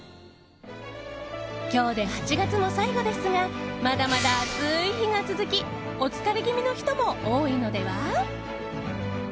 今日で８月も最後ですがまだまだ暑い日が続きお疲れ気味の人も多いのでは？